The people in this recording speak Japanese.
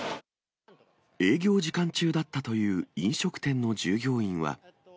営業時間中だったという飲食店の従業員は。